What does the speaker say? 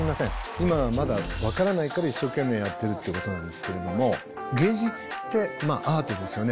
今はまだ分からないから一生懸命やってるってことなんですけれども芸術ってアートですよね